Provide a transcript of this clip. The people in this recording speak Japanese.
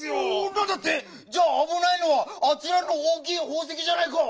なんだって⁉じゃああぶないのはあちらのおおきいほうせきじゃないか！